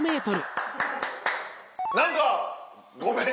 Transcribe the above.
何かごめん。